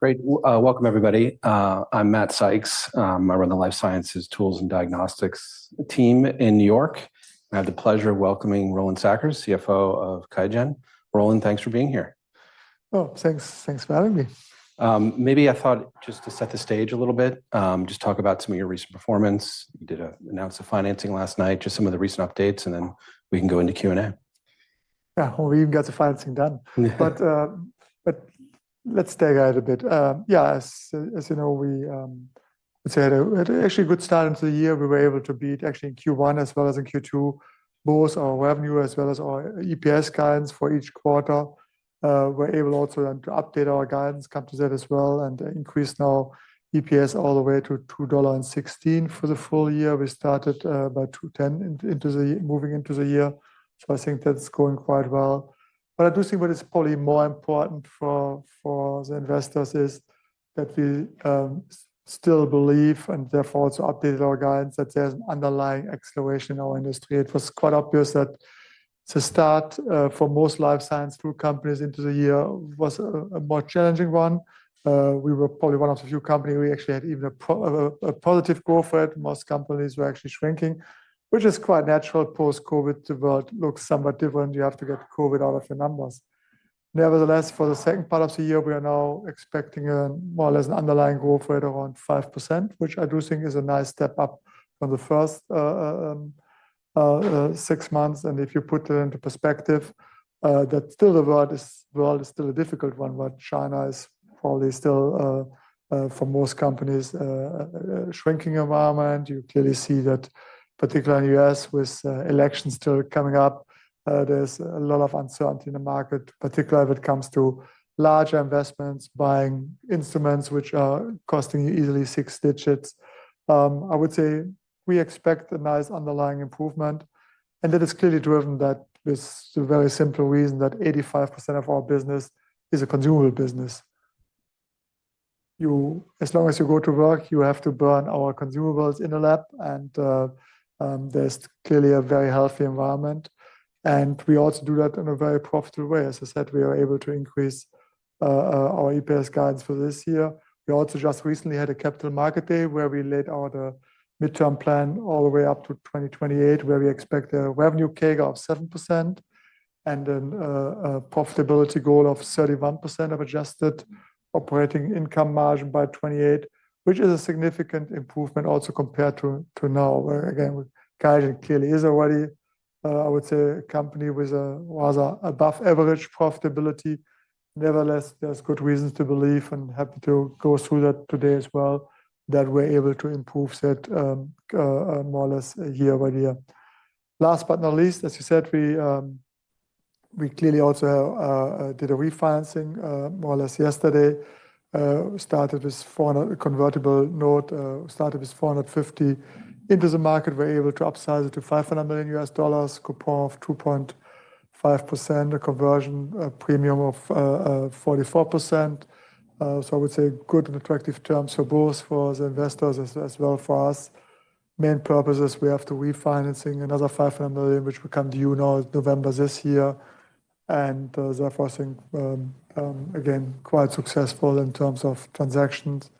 Great. Welcome, everybody. I'm Matt Sykes. I run the Life Sciences tools and diagnostics team in New York. I have the pleasure of welcoming Roland Sackers, CFO of QIAGEN. Roland, thanks for being here. Thanks. Thanks for having me. Maybe I thought just to set the stage a little bit, just talk about some of your recent performance. You announced a financing last night, just some of the recent updates, and then we can go into Q&A. Yeah, we even got the financing done. But, but let's dig out a bit. Yeah, as, as you know, we, let's say had a actually good start into the year. We were able to beat actually in Q1 as well as in Q2, both our revenue as well as our EPS guidance for each quarter. We're able also then to update our guidance come to that as well, and increase now EPS all the way to $2.16 for the full year. We started, about $2.10 into moving into the year, so I think that's going quite well. But I do think what is probably more important for, for the investors is that we, still believe, and therefore also updated our guidance, that there's underlying acceleration in our industry. It was quite obvious that the start for most Life Sciences tool companies into the year was a more challenging one. We were probably one of the few companies we actually had even a positive growth rate. Most companies were actually shrinking, which is quite natural post-COVID. The world looks somewhat different. You have to get COVID out of the numbers. Nevertheless, for the second part of the year, we are now expecting a more or less an underlying growth rate of around 5%, which I do think is a nice step up from the first six months. If you put it into perspective, that still the world is still a difficult one, but China is probably still for most companies a shrinking environment. You clearly see that, particularly in U.S., with elections still coming up, there's a lot of uncertainty in the market, particularly when it comes to larger investments, buying instruments which are costing you easily six digits. I would say we expect a nice underlying improvement, and that is clearly driven that with the very simple reason that 85% of our business is a consumable business. As long as you go to work, you have to burn our consumables in the lab, and there's clearly a very healthy environment, and we also do that in a very profitable way. As I said, we are able to increase our EPS guidance for this year. We also just recently had a Capital Markets Day where we laid out a midterm plan all the way up to 2028, where we expect a revenue CAGR of 7% and then a profitability goal of 31% of adjusted operating income margin by 2028, which is a significant improvement also compared to now, where again QIAGEN clearly is already I would say a company with an above-average profitability. Nevertheless, there's good reasons to believe, and happy to go through that today as well, that we're able to improve that more or less year over year. Last but not least, as you said, we clearly also did a refinancing more or less yesterday. Started with $450 million convertible note into the market. We were able to upsize it to $500 million, coupon of 2.5%, a conversion premium of 44%. So I would say good and attractive terms for both, for the investors as well for us. Main purpose is we have to refinancing another $500 million, which will come due now, November this year, and therefore, I think, again, quite successful in terms of transactions.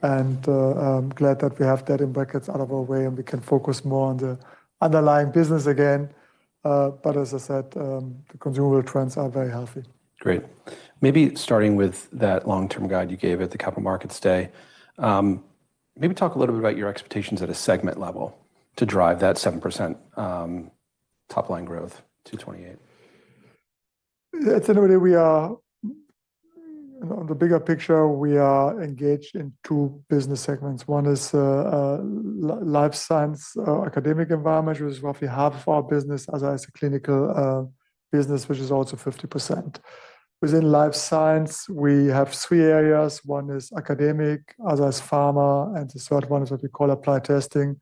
And I'm glad that we have that in brackets out of our way, and we can focus more on the underlying business again. But as I said, the consumable trends are very healthy. Great. Maybe starting with that long-term guide you gave at the Capital Markets Day, maybe talk a little bit about your expectations at a segment level to drive that 7% top-line growth to 2028. Yeah, ultimately, on the bigger picture, we are engaged in two business segments. One is Life Sciences academic environment, which is roughly half of our business, as is clinical business, which is also 50%. Within Life Sciences, we have three areas. One is academic, other is Pharma, and the third one is what we call Applied Testing,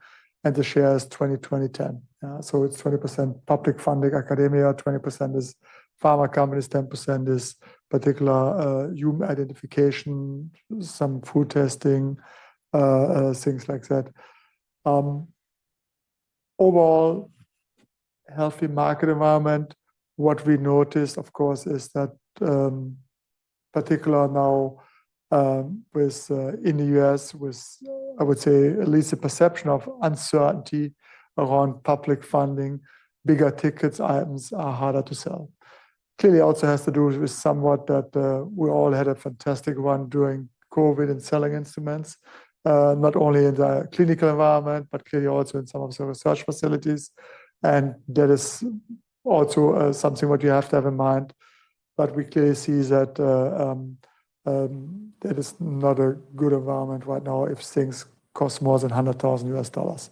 and the share is 20%-20%-10%. So it's 20% public funding, Academia, 20% is Pharma companies, 10% is applied human identification, some food testing, things like that. Overall, healthy market environment. What we noticed, of course, is that, particularly now, with in the U.S., I would say, at least a perception of uncertainty around public funding, bigger ticket items are harder to sell. Clearly, also has to do with somewhat that we all had a fantastic run during COVID and selling instruments, not only in the clinical environment, but clearly also in some of the research facilities, and that is also something what you have to have in mind, but we clearly see that that is not a good environment right now if things cost more than $100,000.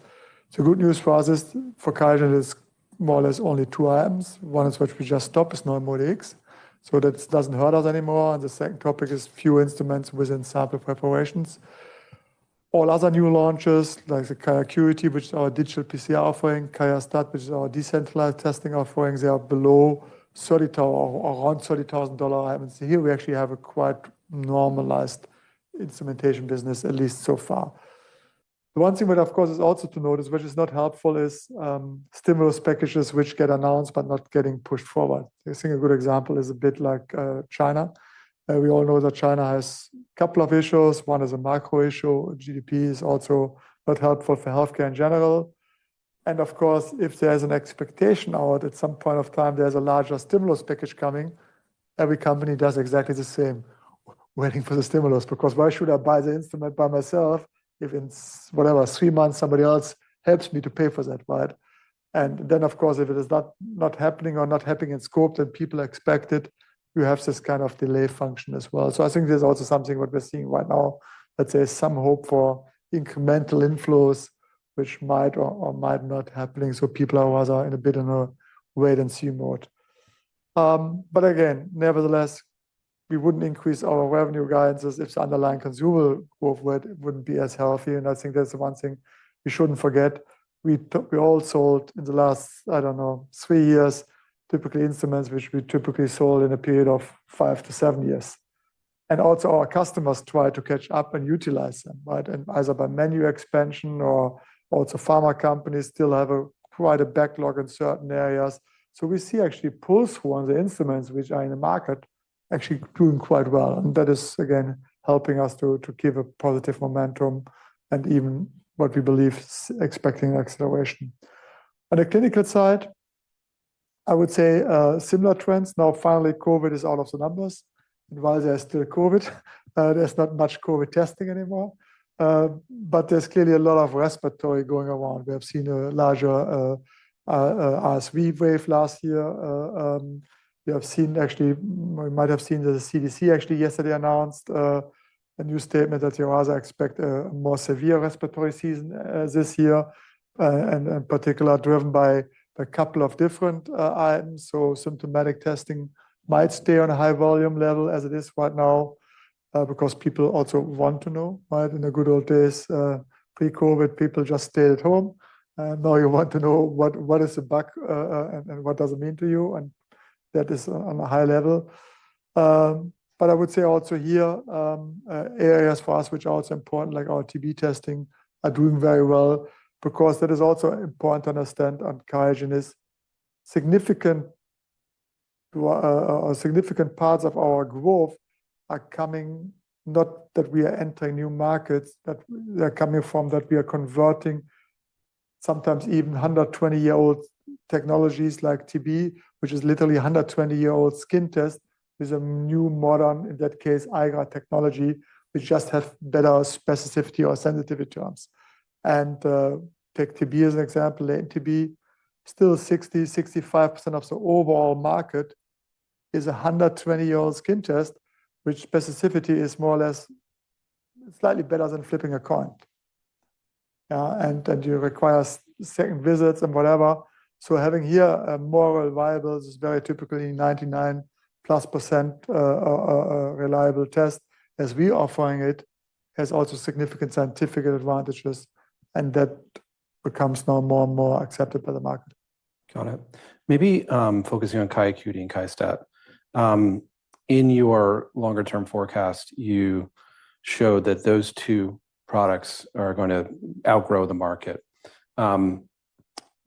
So good news for us, for QIAGEN, is more or less only two items. One is which we just stopped, is NeuMoDx, so that doesn't hurt us anymore, and the second topic is few instruments within sample preparations. All other new launches, like the QIAcuity, which is our digital PCR offering, QIAstat, which is our decentralized testing offerings, they are below around $30,000 items. Here, we actually have a quite normalized instrumentation business, at least so far. The one thing that, of course, is also to notice, which is not helpful, is stimulus packages which get announced but not getting pushed forward. I think a good example is a bit like China. We all know that China has a couple of issues. One is a micro issue. GDP is also not helpful for healthcare in general. And of course, if there's an expectation out at some point of time there's a larger stimulus package coming, every company does exactly the same, waiting for the stimulus. Because why should I buy the instrument by myself if in whatever, three months, somebody else helps me to pay for that, right? And then, of course, if it is not happening or not happening in scope that people expected, you have this kind of delay function as well. So I think there's also something what we're seeing right now, that there's some hope for incremental inflows, which might or might not happening. So people are in a bit in a wait and see mode. But again, nevertheless, we wouldn't increase our revenue guidance as its underlying consumer growth rate wouldn't be as healthy, and I think that's the one thing we shouldn't forget. We all sold in the last, I don't know, three years, typically instruments which we typically sold in a period of 5-7 years. And also, our customers try to catch up and utilize them, right? Either by menu expansion or also Pharma companies still have quite a backlog in certain areas. So we see actually pulls from the instruments which are in the market actually doing quite well, and that is, again, helping us to give a positive momentum and even what we believe is expecting acceleration. On the clinical side, I would say, similar trends. Now, finally, COVID is out of the numbers. While there's still COVID, there's not much COVID testing anymore, but there's clearly a lot of respiratory going around. We have seen a larger RSV wave last year. We might have seen the CDC actually yesterday announced a new statement that they rather expect a more severe respiratory season this year, and in particular, driven by a couple of different items. Symptomatic testing might stay on a high volume level as it is right now, because people also want to know, right? In the good old days, pre-COVID, people just stayed at home. Now you want to know what is the bug, and what does it mean to you, and that is on a high level. But I would say also here, areas for us, which are also important, like our TB testing, are doing very well, because that is also important to understand on QIAGEN is significant to, significant parts of our growth are coming, not that we are entering new markets, that they're coming from that we are converting sometimes even 120-year-old technologies like TB, which is literally a 120-year-old skin test, with a new modern, in that case, IGRA technology, which just have better specificity or sensitivity terms. Take TB as an example. TB, still 65% of the overall market is a 120-year-old skin test, which specificity is more or less slightly better than flipping a coin. And you require second visits and whatever. Having here a more reliable is very typically 99%+ reliable test, as we are offering it, has also significant scientific advantages, and that becomes now more and more accepted by the market. Got it. Maybe, focusing on QIAcuity and QIAstat. In your longer term forecast, you show that those two products are gonna outgrow the market.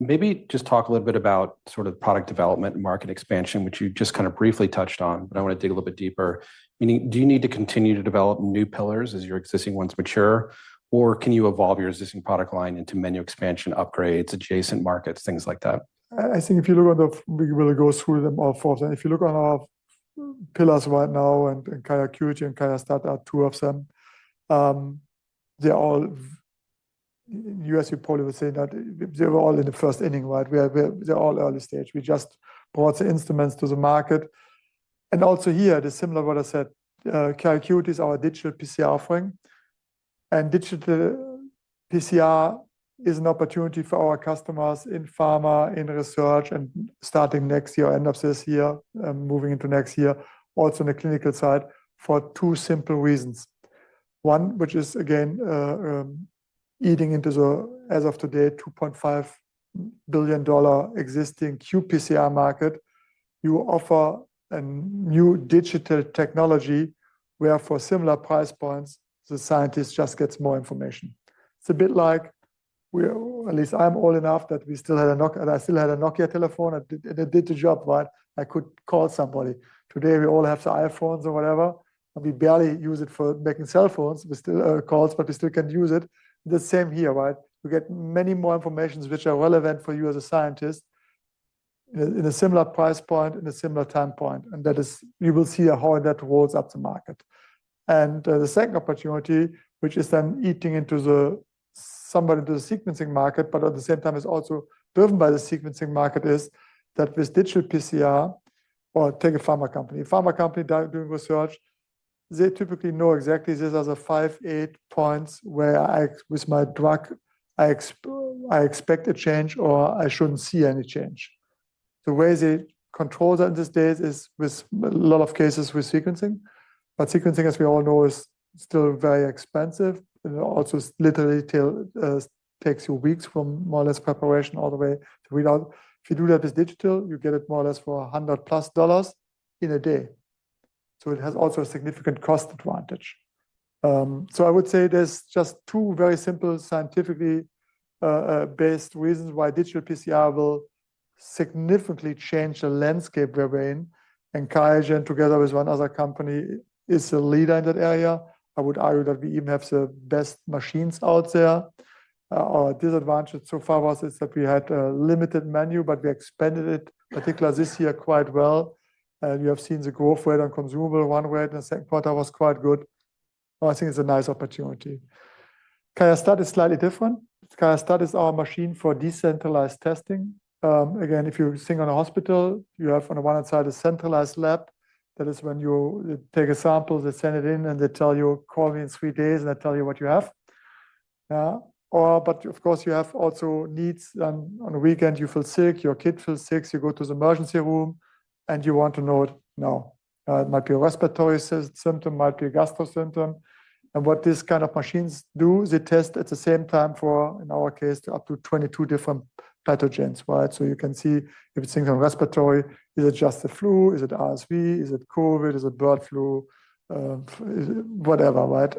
Maybe just talk a little bit about sort of product development and market expansion, which you just kind of briefly touched on, but I want to dig a little bit deeper. Do you need to continue to develop new pillars as your existing ones mature, or can you evolve your existing product line into menu expansion, upgrades, adjacent markets, things like that? I think if you look at the, we really go through them all four. And if you look on our pillars right now, and QIAcuity and QIAstat are two of them, they're all. You as a reporter would say that they're all in the first inning, right? We are. They're all early stage. We just brought the instruments to the market. And also here, the similar what I said, QIAcuity is our digital PCR offering, and digital PCR is an opportunity for our customers in Pharma, in research, and starting next year, end of this year, moving into next year, also on the clinical side, for two simple reasons. One, which is again, eating into the, as of today, $2.5 billion existing qPCR market. You offer a new digital technology, where for similar price points, the scientist just gets more information. It's a bit like we are at least I'm old enough, that we still had a Nokia telephone, and it did the job, right? I could call somebody. Today, we all have the iPhones or whatever, and we barely use it for making calls. We still make calls, but we still can use it. The same here, right? You get many more information which are relevant for you as a scientist in a similar price point, in a similar time point, and that is, you will see how that rolls up the market. The second opportunity, which is then eating into the, somewhat into the sequencing market, but at the same time is also driven by the sequencing market, is that with digital PCR, or take a Pharma company. Pharma company doing research, they typically know exactly this as a five, eight points where I, with my drug, I expect a change or I shouldn't see any change. The way they control that these days is with a lot of cases, with sequencing, but sequencing, as we all know, is still very expensive. Also literally it'll take you weeks from more or less preparation all the way to read out. If you do that with digital, you get it more or less for $100 plus in a day, so it has also a significant cost advantage. So I would say there's just two very simple, scientifically based reasons why digital PCR will significantly change the landscape we're in, and QIAGEN, together with one other company, is the leader in that area. I would argue that we even have the best machines out there. Our disadvantage so far was that we had a limited menu, but we expanded it, particularly this year, quite well, and you have seen the growth rate on consumables run rate in the second quarter was quite good. I think it's a nice opportunity. QIAstat is slightly different. QIAstat is our machine for decentralized testing. Again, if you think on a hospital, you have, on the one hand side, a centralized lab. That is when you take a sample, they send it in, and they tell you, "Call me in three days, and I tell you what you have." Or but of course, you have also needs on a weekend, you feel sick, your kid feels sick, you go to the emergency room, and you want to know it now. It might be a respiratory symptom, it might be a gastro symptom, and what these kind of machines do, they test at the same time for, in our case, up to twenty-two different pathogens, right? So you can see if it's thinking of respiratory, is it just the flu? Is it RSV? Is it COVID? Is it bird flu? Is it whatever, right?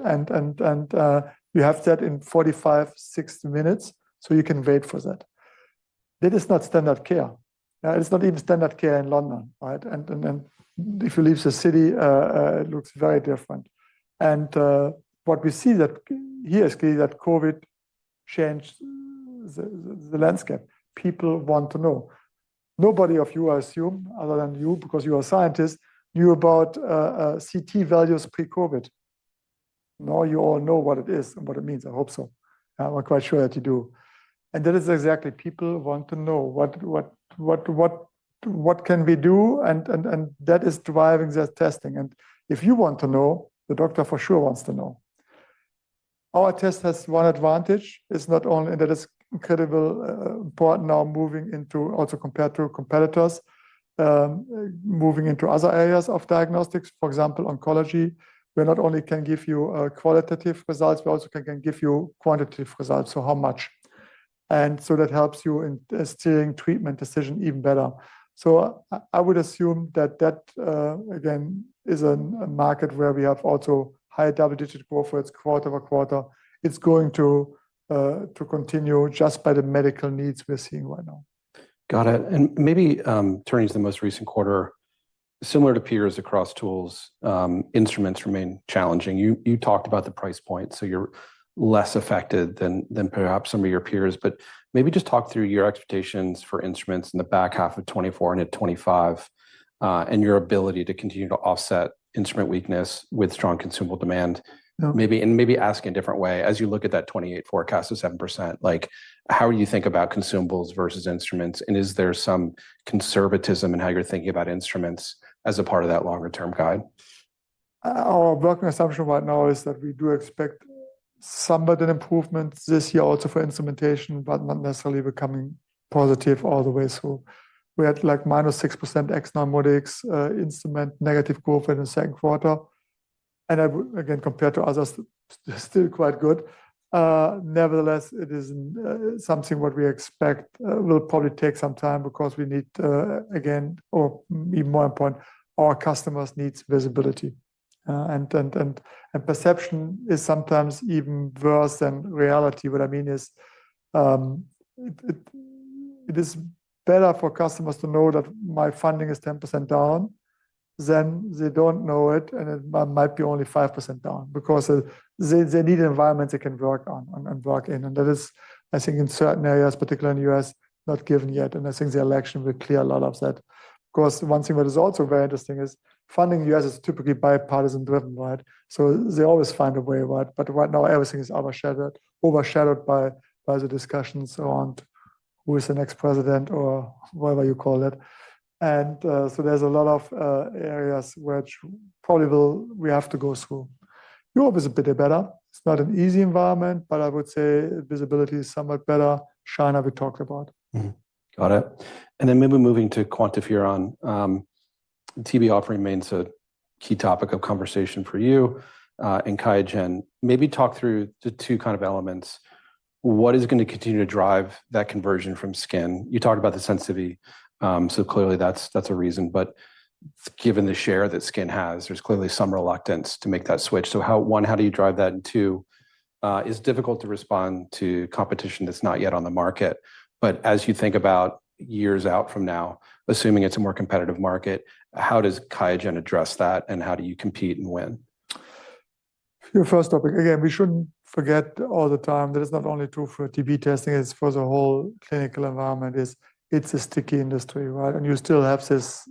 You have that in forty-five, sixty minutes, so you can wait for that. That is not standard care. It's not even standard care in London, right? And if you leave the city, it looks very different. And what we see here is clearly that COVID changed the landscape. People want to know. Nobody of you, I assume, other than you, because you are scientists, knew about Ct values pre-COVID. Now you all know what it is and what it means. I hope so. I'm quite sure that you do. And that is exactly. People want to know what can we do? And that is driving the testing. And if you want to know, the doctor for sure wants to know. Our test has one advantage. It's not only, and that is incredibly important now, moving into also compared to competitors, moving into other areas of diagnostics, for example, oncology, where not only can give you qualitative results, we also can give you quantitative results, so how much. And so that helps you in steering treatment decision even better. So I would assume that again is a market where we have also high double-digit growth rates, quarter over quarter. It's going to to continue just by the medical needs we're seeing right now. Got it. And maybe turning to the most recent quarter, similar to peers across tools, instruments remain challenging. You talked about the price point, so you're less affected than perhaps some of your peers, but maybe just talk through your expectations for instruments in the back half of 2024 into 2025, and your ability to continue to offset instrument weakness with strong consumable demand. Yeah. Maybe, and maybe ask in a different way, as you look at that 2028 forecast of 7%, like, how do you think about consumables versus instruments, and is there some conservatism in how you're thinking about instruments as a part of that longer-term guide? Our working assumption right now is that we do expect somewhat an improvement this year also for instrumentation, but not necessarily becoming positive all the way through. We had, like, -6% ex-NeuMoDx instrument negative growth in the second quarter, and I would again, compared to others, still quite good. Nevertheless, it is something what we expect will probably take some time because we need again, or even more important, our customers needs visibility, and perception is sometimes even worse than reality. What I mean is, it is better for customers to know that my funding is 10% down than they don't know it, and it might be only 5% down, because they need an environment they can work on and work in. That is, I think, in certain areas, particularly in the U.S., not given yet, and I think the election will clear a lot of that. Of course, one thing that is also very interesting is funding. The U.S. is typically bipartisan driven, right? So they always find a way, right? But right now, everything is overshadowed by the discussion, so on, who is the next president or whatever you call it. So there's a lot of areas which probably will we have to go through. Europe is a bit better. It's not an easy environment, but I would say visibility is somewhat better. China, we talked about. Got it. And then maybe moving to QuantiFERON, TB offering remains a key topic of conversation for you and QIAGEN. Maybe talk through the two kind of elements. What is going to continue to drive that conversion from skin? You talked about the sensitivity, so clearly that's a reason, but given the share that skin has, there's clearly some reluctance to make that switch. So how. One, how do you drive that? And two, it's difficult to respond to competition that's not yet on the market. But as you think about years out from now, assuming it's a more competitive market, how does QIAGEN address that, and how do you compete and win? Your first topic, again, we shouldn't forget all the time that it's not only true for TB testing, it's for the whole clinical environment. It's a sticky industry, right? And you still have this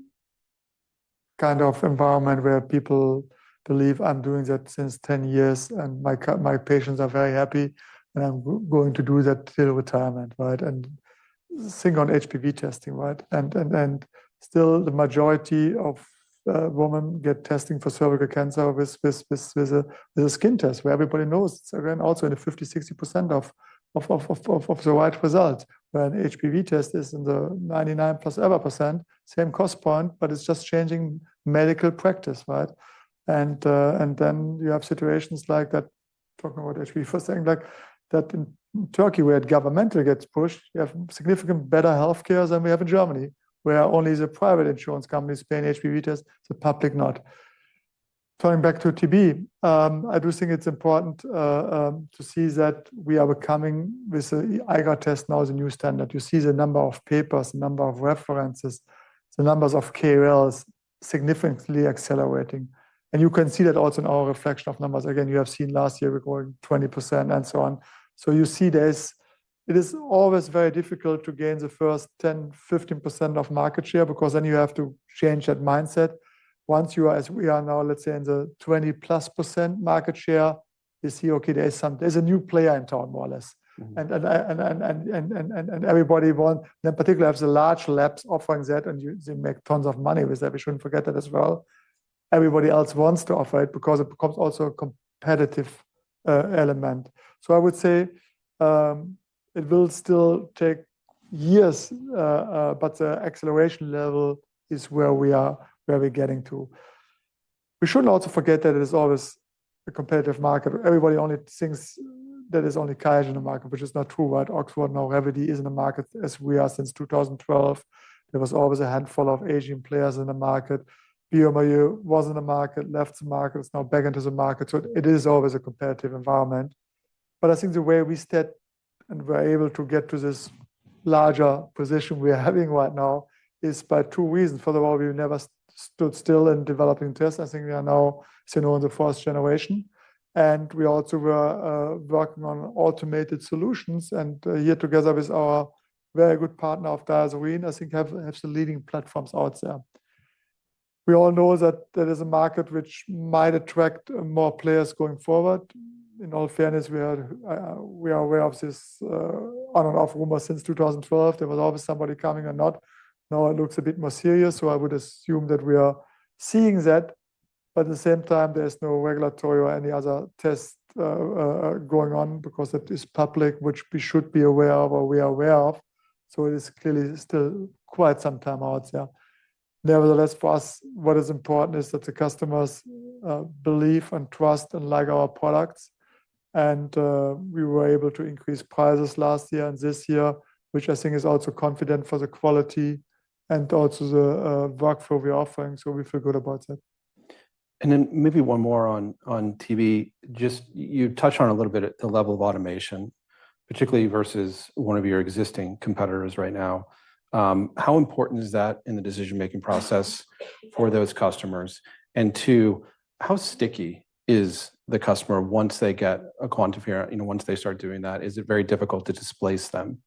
kind of environment where people believe I'm doing that since 10 years, and my patients are very happy, and I'm going to do that till retirement, right? And think on HPV testing, right? And still, the majority of women get testing for cervical cancer with a Pap test, where everybody knows it's again also in the 50%-60% of the right result, where an HPV test is in the 99%+, same cost point, but it's just changing medical practice, right? And then you have situations like that. Talking about HPV first thing, like that in Turkey, where it governmentally gets pushed, you have significant better healthcare than we have in Germany, where only the private insurance companies paying HPV test, the public not. Coming back to TB, I do think it's important to see that we are coming with the IGRA test now is the new standard. You see the number of papers, the number of references, the numbers of KOLs significantly accelerating, and you can see that also in our reflection of numbers. Again, you have seen last year we growing 20%, and so on. So you see there's it is always very difficult to gain the first 10%, 15% of market share because then you have to change that mindset. Once you are, as we are now, let's say in the 20%+ market share, you see, okay, there's a new player in town, more or less. Mm-hmm. Everybody wants, then particularly the large labs offering that, and they make tons of money with that. We shouldn't forget that as well. Everybody else wants to offer it because it becomes also a competitive element. So I would say it will still take years, but the acceleration level is where we are, where we're getting to. We should not forget that it is always a competitive market. Everybody only thinks that there's only QIAGEN in the market, which is not true, right? Oxford, now Revvity, is in the market, as we are since two thousand and twelve. There was always a handful of Asian players in the market. bioMérieux was in the market, left the market, is now back into the market. So it is always a competitive environment. But I think the way we stood and were able to get to this larger position we are having right now is by two reasons. For the one, we've never stood still in developing tests. I think we are now, you know, in the fourth generation, and we also were working on automated solutions, and here together with our very good partner, DiaSorin, I think have the leading platforms out there. We all know that there is a market which might attract more players going forward. In all fairness, we are aware of this on and off rumor since 2012. There was always somebody coming or not. Now it looks a bit more serious, so I would assume that we are seeing that, but at the same time, there's no regulatory or any other test going on because it is public, which we should be aware of, or we are aware of, so it is clearly still quite some time out there. Nevertheless, for us, what is important is that the customers believe and trust and like our products, and we were able to increase prices last year and this year, which I think is also confident for the quality and also the work flow we're offering, so we feel good about it. Then maybe one more on TB. You just touched on a little bit at the level of automation, particularly versus one of your existing competitors right now. How important is that in the decision-making process for those customers? And two, how sticky is the customer once they get a QuantiFERON, you know, once they start doing that, is it very difficult to displace them?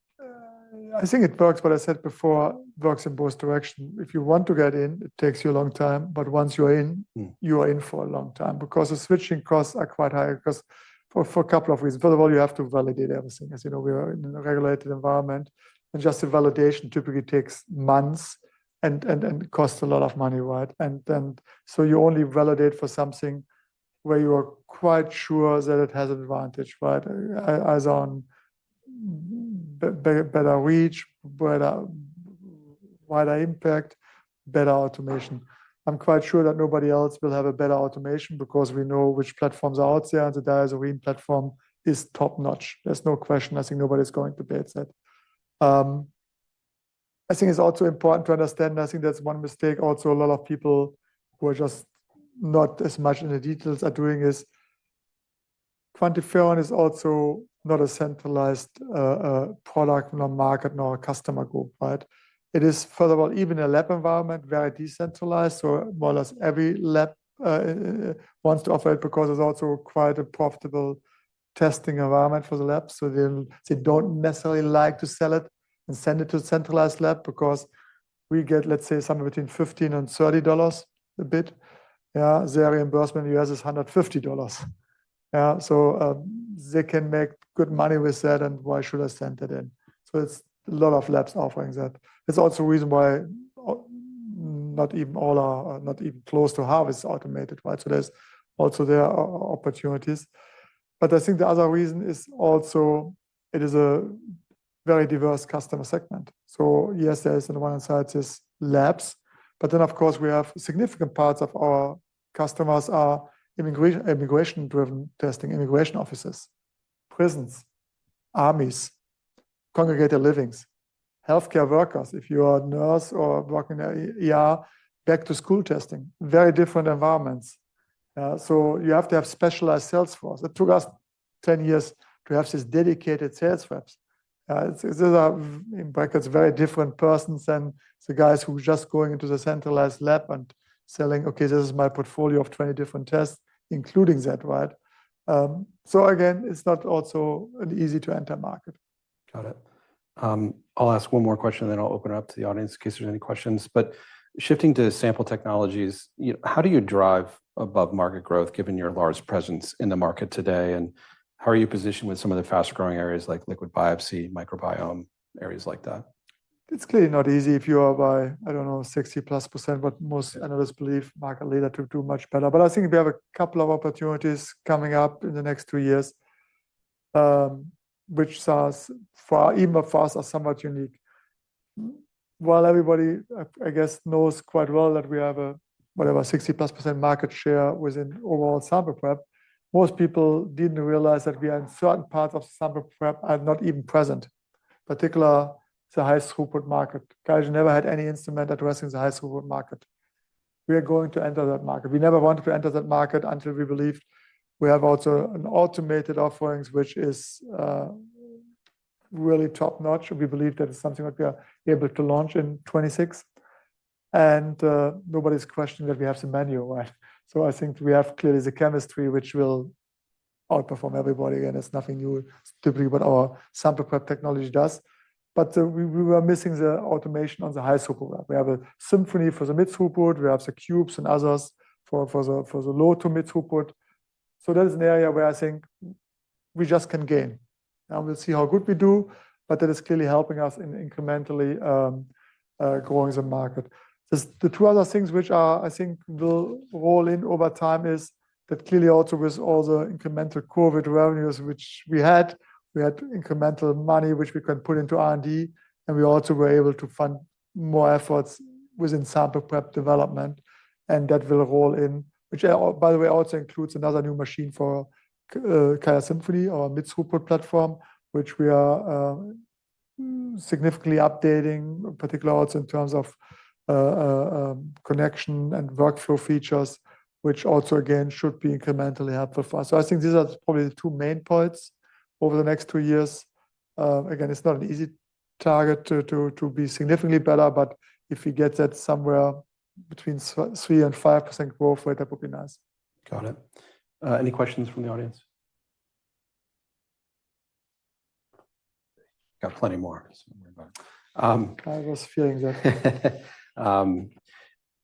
I think it works, what I said before, works in both directions. If you want to get in, it takes you a long time, but once you're in, you are in for a long time, because the switching costs are quite high. 'Cause for a couple of reasons. First of all, you have to validate everything. As you know, we are in a regulated environment, and just the validation typically takes months and costs a lot of money, right? And so you only validate for something where you are quite sure that it has advantage, right? As in better reach, broader, wider impact, better automation. I'm quite sure that nobody else will have a better automation because we know which platforms are out there, and the DiaSorin platform is top-notch. There's no question. I think nobody's going to beat that. I think it's also important to understand. I think that's one mistake also a lot of people who are just not as much in the details are doing is, QuantiFERON is also not a centralized product nor market, nor a customer group, right? It is, first of all, even a lab environment, very decentralized, so more or less every lab wants to offer it because it's also quite a profitable testing environment for the lab. So they don't necessarily like to sell it and send it to a centralized lab because we get, let's say, somewhere between $15-$30 a bit. Their reimbursement in U.S. is $150. So they can make good money with that, and why should I send it in? So it's a lot of labs offering that. There's also a reason why not even all are not even close to half is automated, right? So there's also opportunities. But I think the other reason is also it is a very diverse customer segment. So yes, there is on the one hand side, there's labs, but then, of course, we have significant parts of our customers are immigration, immigration-driven testing, immigration officers, prisons, armies, congregated livings, healthcare workers. If you are a nurse or working in ER, back to school testing, very different environments. So you have to have specialized sales force. It took us ten years to have this dedicated sales reps. These are, in brackets, very different persons than the guys who are just going into the centralized lab and selling, "Okay, this is my portfolio of twenty different tests," including that, right? So again, it's not also an easy-to-enter market. Got it. I'll ask one more question, and then I'll open it up to the audience in case there's any questions. But shifting to Sample Technologies, you know, how do you drive above market growth, given your large presence in the market today, and how are you positioned with some of the faster-growing areas like liquid biopsy, microbiome, areas like that? It's clearly not easy if you are by, I don't know, 60%+, but most analysts believe market leader to do much better. But I think we have a couple of opportunities coming up in the next two years, which thus far, even for us, are somewhat unique. While everybody, I guess, knows quite well that we have a, whatever, 60%+ market share within overall sample prep, most people didn't realize that we are in certain parts of sample prep are not even present. Particularly, the high throughput market. QIAGEN never had any instrument addressing the high throughput market. We are going to enter that market. We never wanted to enter that market until we believed we have also an automated offerings, which is really top-notch, and we believe that is something that we are able to launch in 2026. Nobody's questioning that we have some manual, right? So I think we have clearly the chemistry, which will outperform everybody, and it's nothing new, typically, what our sample prep technology does. But we were missing the automation on the high throughput. We have QIAsymphony for the mid-throughput, we have the QIAcubes and others for the low to mid-throughput. So that is an area where I think we just can gain. Now we'll see how good we do, but that is clearly helping us in incrementally growing the market. There's the two other things which are, I think, will roll in over time is that clearly also with all the incremental COVID revenues, which we had, we had incremental money, which we can put into R&D, and we also were able to fund more efforts within sample prep development, and that will roll in. Which, by the way, also includes another new machine for QIAsymphony, our mid-throughput platform, which we are significantly updating, particularly also in terms of connection and workflow features, which also, again, should be incrementally helpful for us. So I think these are probably the two main points over the next two years. Again, it's not an easy target to be significantly better, but if we get that somewhere between 3% and 5% growth rate, that would be nice. Got it. Any questions from the audience? Got plenty more, so don't worry about it. I was feeling that.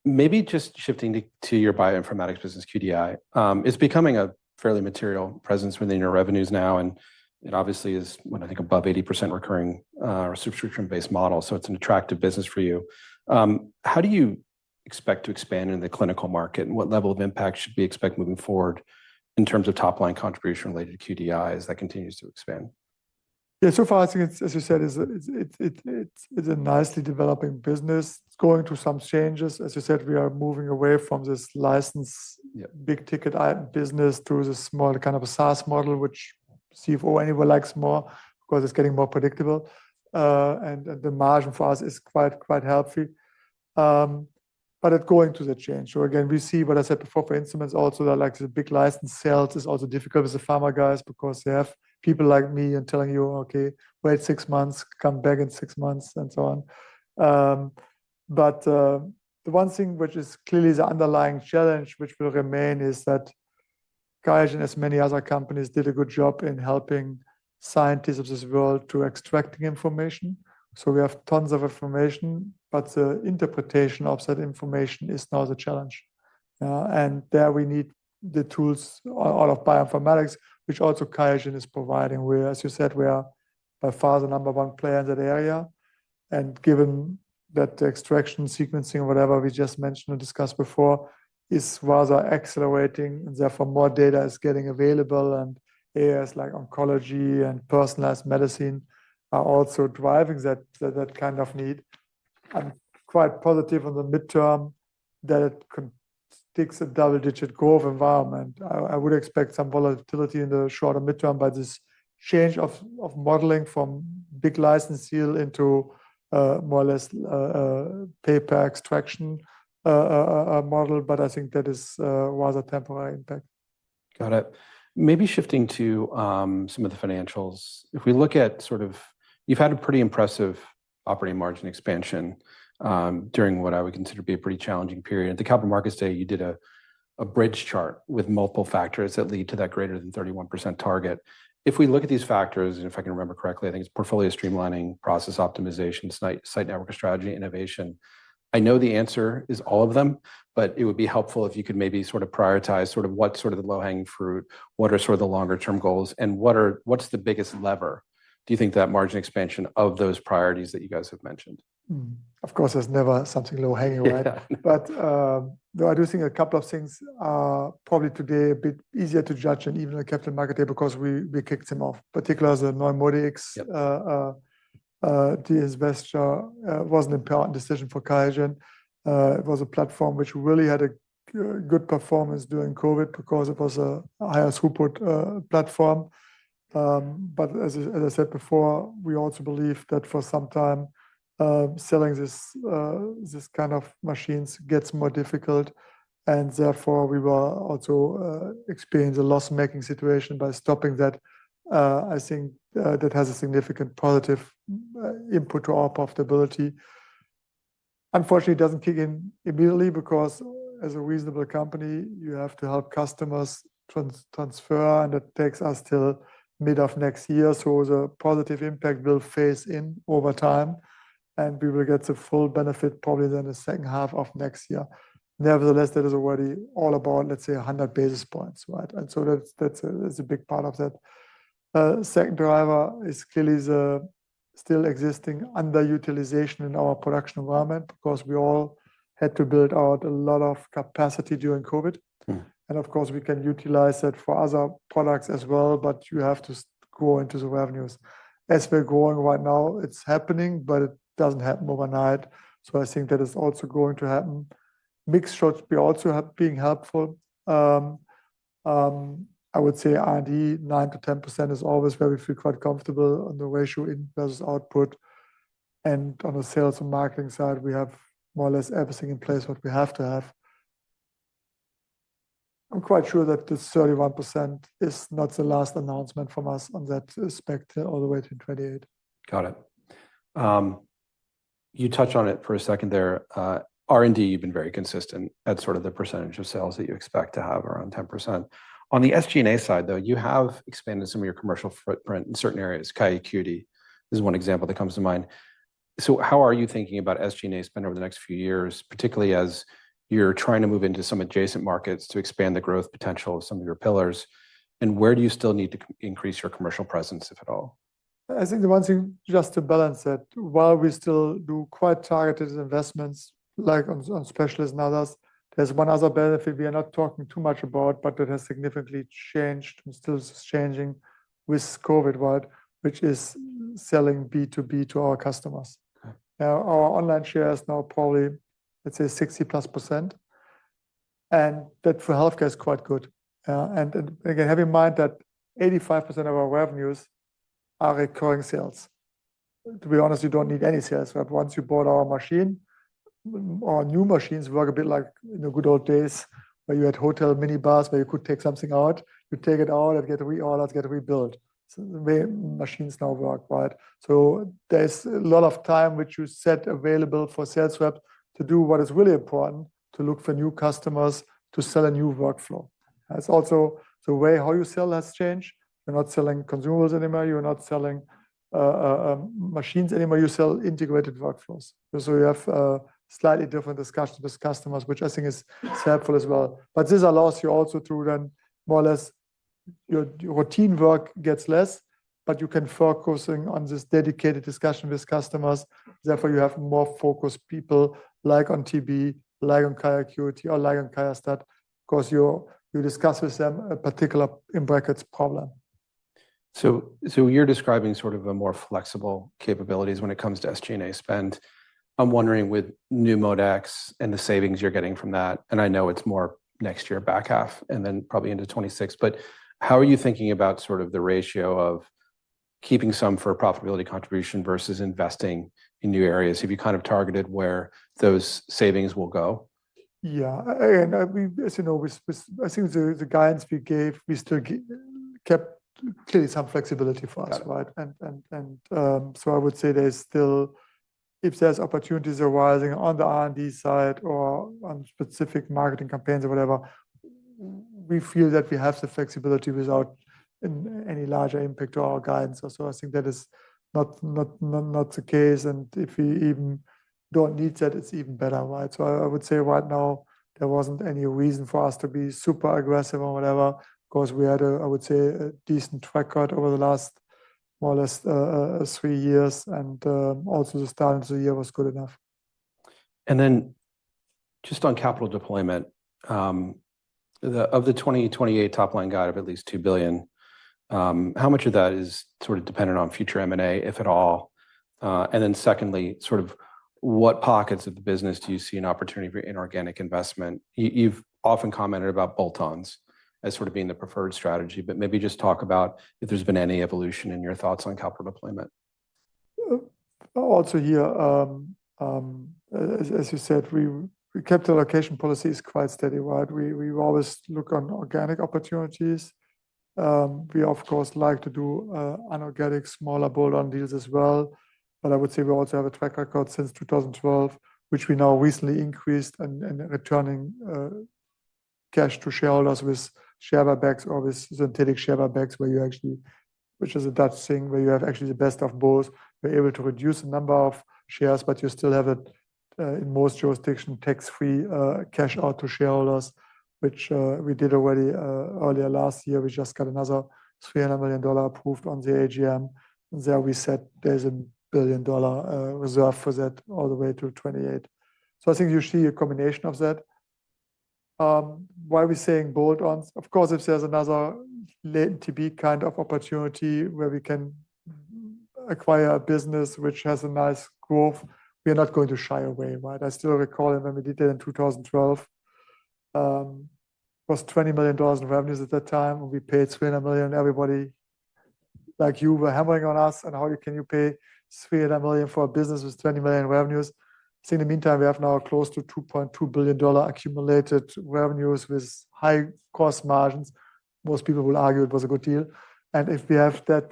Maybe just shifting to your bioinformatics business, QDI. It's becoming a fairly material presence within your revenues now, and it obviously is, what, I think, above 80% recurring or subscription-based model, so it's an attractive business for you. How do you expect to expand in the clinical market, and what level of impact should we expect moving forward in terms of top-line contribution related to QDI as that continues to expand? Yeah, so far, I think it's, as you said, a nicely developing business. It's going through some changes. As you said, we are moving away from this licensed big-ticket item business through the small kind of a SaaS model, which CFO anywhere likes more because it's getting more predictable, and the margin for us is quite healthy. But it's going through the change. So again, we see what I said before for instruments also, like the big licensed sales, is also difficult with the Pharma guys because they have people like me and telling you, "Okay, wait six months, come back in six months," and so on. But the one thing which is clearly the underlying challenge, which will remain, is that QIAGEN, as many other companies, did a good job in helping scientists of this world to extracting information. So we have tons of information, but the interpretation of that information is now the challenge. And there we need the tools, all of bioinformatics, which also QIAGEN is providing, where, as you said, we are by far the number one player in that area. And given that the extraction, sequencing, or whatever we just mentioned or discussed before, is rather accelerating, and therefore more data is getting available, and areas like oncology and personalized medicine are also driving that kind of need. I'm quite positive in the midterm that it can takes a double-digit growth environment. I would expect some volatility in the short and midterm by this change of modeling from big license deal into more or less pay-per-extraction model, but I think that is rather temporary impact. Got it. Maybe shifting to some of the financials. If we look at sort of. You've had a pretty impressive operating margin expansion during what I would consider to be a pretty challenging period. At the Capital Markets Day, you did a bridge chart with multiple factors that lead to that greater than 31% target. If we look at these factors, and if I can remember correctly, I think it's portfolio streamlining, process optimization, site network strategy, innovation. I know the answer is all of them, but it would be helpful if you could maybe sort of prioritize sort of what's sort of the low-hanging fruit, what are sort of the longer term goals, and what's the biggest lever, do you think, that margin expansion of those priorities that you guys have mentioned? Hmm. Of course, there's never something low-hanging, right? Yeah. But, though I do think a couple of things are probably today a bit easier to judge and even the Capital Markets Day because we kicked it off, particularly the NeuMoDx investment was an important decision for QIAGEN. It was a platform which really had a good performance during COVID because it was a higher throughput platform. But as I said before, we also believe that for some time, selling this kind of machines gets more difficult, and therefore, we will also experience a loss-making situation by stopping that. I think that has a significant positive input to our profitability. Unfortunately, it doesn't kick in immediately because as a reasonable company, you have to help customers transfer, and it takes us till mid of next year. So the positive impact will phase in over time, and we will get the full benefit probably in the second half of next year. Nevertheless, that is already all about, let's say, a hundred basis points, right? And so that's a big part of that. Second driver is clearly the still existing underutilization in our production environment, because we all had to build out a lot of capacity during COVID. Mm. And of course, we can utilize that for other products as well, but you have to go into the revenues. As we're going right now, it's happening, but it doesn't happen overnight. So I think that is also going to happen. Mixed short-term benefits also have been helpful. I would say R&D, 9%-10% is always where we feel quite comfortable on the ratio input versus output. And on the sales and marketing side, we have more or less everything in place, what we have to have. I'm quite sure that the 31% is not the last announcement from us on that aspect, all the way to 28%. Got it. You touched on it for a second there. R&D, you've been very consistent at sort of the percentage of sales that you expect to have, around 10%. On the SG&A side, though, you have expanded some of your commercial footprint in certain areas. QIAcuity is one example that comes to mind. So how are you thinking about SG&A spend over the next few years, particularly as you're trying to move into some adjacent markets to expand the growth potential of some of your pillars? And where do you still need to increase your commercial presence, if at all? I think the one thing, just to balance that, while we still do quite targeted investments, like on specialists and others, there's one other benefit we are not talking too much about, but that has significantly changed and still is changing with COVID world, which is selling B2B to our customers. Okay. Now, our online share is now probably, let's say, 60%+, and that for healthcare is quite good, and again have in mind that 85% of our revenues are recurring sales. To be honest, you don't need any sales rep once you bought our machine. Our new machines work a bit like in the good old days, where you had hotel mini-bars, where you could take something out. You take it out, and get a reorder, or get it rebuilt. So the way machines now work, right? So there's a lot of time which you set available for sales rep to do what is really important, to look for new customers to sell a new workflow. That's also the way how you sell has changed. You're not selling consumables anymore. You're not selling machines anymore. You sell integrated workflows. So you have slightly different discussion with customers, which I think is helpful as well. But this allows you also to run more or less, your routine work gets less, but you can focus on this dedicated discussion with customers. Therefore, you have more focused people, like on TB, like on QIAcuity, or like on QIAstat, because you're, you discuss with them a particular, in brackets, problem. You're describing sort of a more flexible capabilities when it comes to SG&A spend. I'm wondering, with NeuMoDx and the savings you're getting from that, and I know it's more next year back half, and then probably into 2026, but how are you thinking about sort of the ratio of keeping some for profitability contribution versus investing in new areas? Have you kind of targeted where those savings will go? Yeah, and, as you know, I think the guidance we gave, we still kept clearly some flexibility for us. Got it. Right? And so I would say there's still, if there's opportunities arising on the R&D side or on specific marketing campaigns or whatever, we feel that we have the flexibility without any larger impact to our guidance. So I think that is not the case, and if we even don't need that, it's even better, right? So I would say right now, there wasn't any reason for us to be super aggressive or whatever, because we had, I would say, a decent track record over the last, more or less, three years, and also the start of the year was good enough. Then just on capital deployment, of the 2028 top-line guide of at least $2 billion, how much of that is sort of dependent on future M&A, if at all? And then secondly, sort of what pockets of the business do you see an opportunity for inorganic investment? You've often commented about bolt-ons as sort of being the preferred strategy, but maybe just talk about if there's been any evolution in your thoughts on capital deployment. Also here, as you said, we kept our capital allocation policies quite steady, right? We always look for organic opportunities. We of course like to do inorganic, smaller bolt-on deals as well. But I would say we also have a track record since 2012, which we now recently increased, and returning cash to shareholders with share buybacks or with synthetic share buybacks, where you actually, which is a Dutch thing, where you have actually the best of both. You're able to reduce the number of shares, but you still have it in most jurisdictions, tax-free cash out to shareholders, which we did already earlier last year. We just got another $300 million approved at the AGM. There, we said there's a $1 billion reserve for that all the way through 2028. I think you see a combination of that. Why are we saying bolt-ons? Of course, if there's another latent TB kind of opportunity where we can acquire a business which has a nice growth, we are not going to shy away, right? I still recall, and when we did that in 2012, it was $20 million in revenues at that time. We paid $300 million. Everybody, like you, were hammering on us, and how can you pay $300 million for a business with $20 million revenues? So in the meantime, we have now close to $2.2 billion dollar accumulated revenues with high gross margins. Most people will argue it was a good deal. If we have that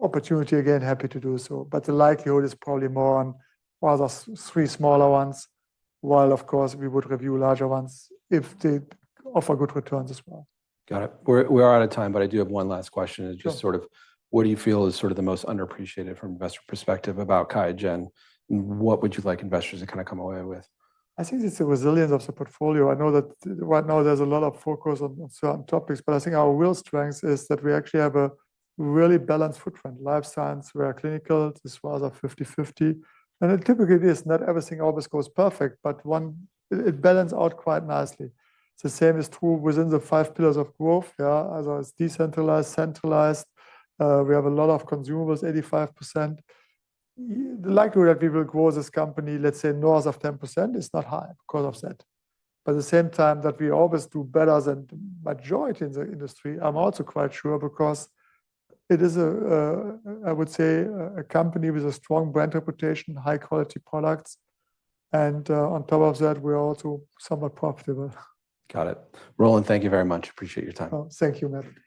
opportunity again, happy to do so. But the likelihood is probably more on, well, those three smaller ones, while of course, we would review larger ones if they offer good returns as well. Got it. We're out of time, but I do have one last question. Sure. Just sort of what do you feel is sort of the most underappreciated from investor perspective about QIAGEN? What would you like investors to kind of come away with? I think it's the resilience of the portfolio. I know that right now there's a lot of focus on certain topics, but I think our real strength is that we actually have a really balanced footprint. Life Sciences, we are clinical, this was a 50/50 and it typically is, not everything always goes perfect, but one, it balanced out quite nicely. The same is true within the five pillars of growth. Yeah, as I was decentralized, centralized, we have a lot of consumables, 85%. The likelihood that we will grow this company, let's say north of 10%, is not high because of that. But at the same time that we always do better than majority in the industry, I'm also quite sure, because it is a, I would say, a company with a strong brand reputation, high-quality products, and on top of that, we're also somewhat profitable. Got it. Roland, thank you very much. Appreciate your time. Oh, thank you, Matt.